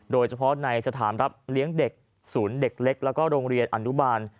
โดยเฉพาะในสถานรับเลี้ยงเด็กศูนย์เด็กเล็กแล้วก็โรงเรียนอนุบาล